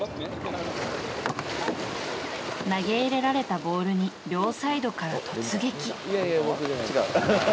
投げ入れられたボールに両サイドから突撃。